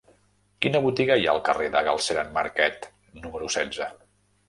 Quina botiga hi ha al carrer de Galceran Marquet número setze?